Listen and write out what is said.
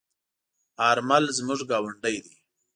آرمل زموږ گاوندی دی.